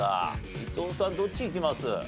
伊藤さんどっちいきます？